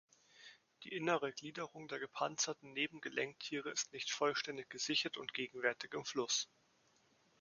Die Innere Gliederung der Gepanzerten Nebengelenktiere ist nicht vollständig gesichert und gegenwärtig im Fluss.